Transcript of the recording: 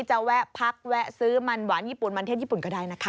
แวะพักแวะซื้อมันหวานญี่ปุ่นมันเทศญี่ปุ่นก็ได้นะคะ